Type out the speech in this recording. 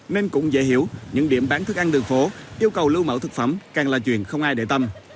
nên cũng dễ hiểu những điểm bán thức ăn đường phố yêu cầu lưu mẫu thực phẩm càng là chuyện không ai để tâm